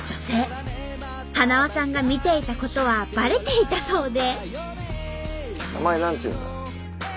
はなわさんが見ていたことはバレていたそうで。